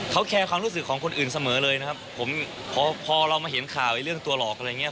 เขาแคร์ความรู้สึกของคนอื่นเสมอเลยนะครับผมพอพอเรามาเห็นข่าวเรื่องตัวหลอกอะไรอย่างเงี้